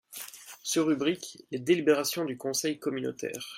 sous-rubrique : les délibérations du Conseil communautaire.